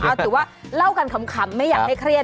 เอาถือว่าเล่ากันขำไม่อยากให้เครียด